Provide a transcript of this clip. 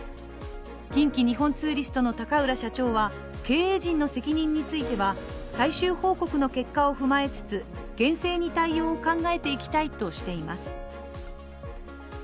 近畿日本ツーリストの高浦社長は経営陣の責任については最終報告の結果を踏まえつつ厳正に対応を考えていきたいとしています。